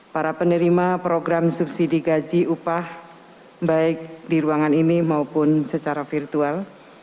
para penerima program subsidi gaji upah baik di ruangan ini maupun secara virtual